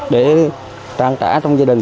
để trang trả trong gia đình